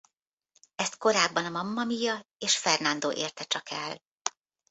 Ezt korábban a Mamma Mia és Fernando érte csak el.